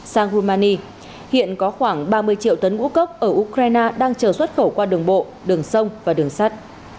sang rumani hiện có khoảng ba mươi triệu tấn ngũ cốc ở ukraine đang chờ xuất khẩu qua đường bộ đường sông và đường sắt